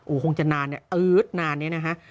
โอ้คงจะนานนี่เอิ๊ดนานนี้นะคะ